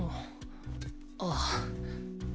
ああ。